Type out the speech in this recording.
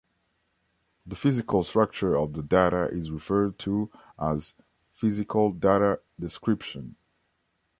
The physical structure of the data is referred to as "physical data description".